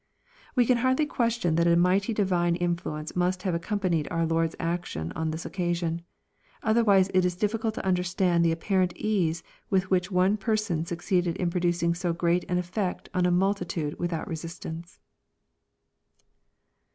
We can hardly question that a mighty divine influence must have. accompanied our liOrd's action on this occasion. Otherwise it is difficult to understand tlie apparent ease with which one per son succeeded in producing so great an effect on a multitude with out resistance.